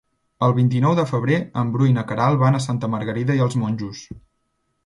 El vint-i-nou de febrer en Bru i na Queralt van a Santa Margarida i els Monjos.